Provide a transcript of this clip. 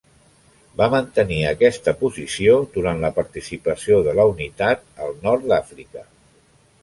Va mantenir aquesta posició durant la participació de la unitat al Nord d'Àfrica.